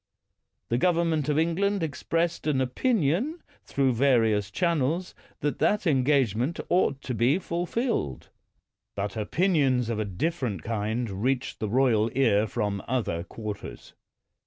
The government of England expressed an opinion, through various channels, that that en gagement ought to be fulfilled. But opinions of a different kind reached the royal ear from other quarters.